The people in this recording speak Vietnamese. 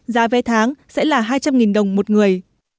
giá vé tháng sẽ là hai trăm linh đồng một người